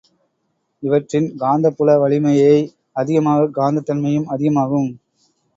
இவற்றின் காந்தப் புல வலிமையை அதிகமாகக் காந்தத் தன்மையும் அதிகமாகும்.